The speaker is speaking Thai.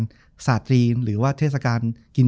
จบการโรงแรมจบการโรงแรม